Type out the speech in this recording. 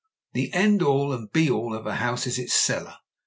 The end all and be all of a house is its cellar.